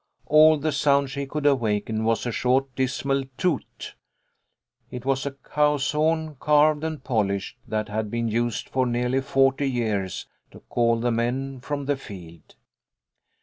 All the sound she could awaken was a short dismal toot. It was a cow's horn, carved and polished, that had been used for nearly forty years to call the men 54 THE LITTLE COLONEL'S HOLIDAYS. from the field.